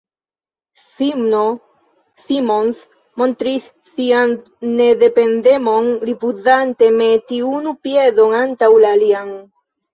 S-ino Simons montris sian nedependemon, rifuzante meti unu piedon antaŭ la alian.